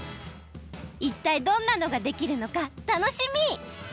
いったいどんなのができるのか楽しみ！